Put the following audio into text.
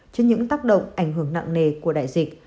trên những tác động ảnh hưởng nặng nề của đại dịch